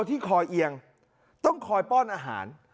ที่คอเอียงต้องคอยป้อนอาหาร